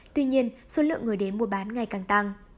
tuy nhiên số lượng người đến mua bán ngày càng tăng